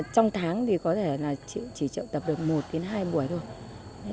trong tháng thì có thể chỉ triệu tập được một đến hai buổi thôi